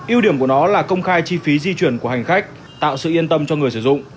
yêu điểm của nó là công khai chi phí di chuyển của hành khách tạo sự yên tâm cho người sử dụng